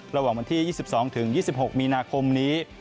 ระหว่างวันที่๒๒๒๖มีนาคมนี้